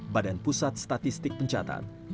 badan pusat statistik pencatan